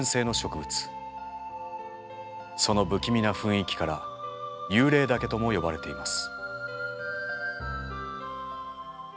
その不気味な雰囲気から幽霊茸とも呼ばれています。